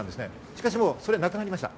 しかし、それはなくなりました。